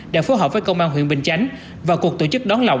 đã phối hợp với công an huyện bình chánh và cuộc tổ chức đón lọc